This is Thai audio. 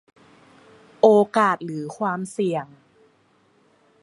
โอกาสหรือความเสี่ยง